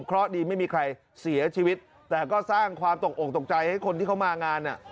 เพราะดีไม่มีใครเสียชีวิตแต่ก็สร้างความตกอกตกใจให้คนที่เขามางาน